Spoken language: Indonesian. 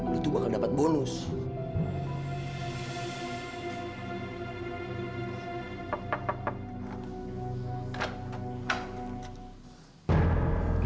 nggak mau lepasin